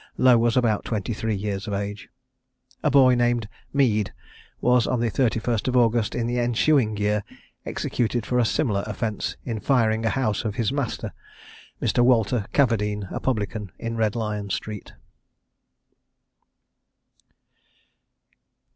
Lowe was about twenty three years of age. A boy named Mead was on the 31st August in the ensuing year executed for a similar offence in firing the house of his master, Mr. Walter Cavardine, a publican, in Red Lion street.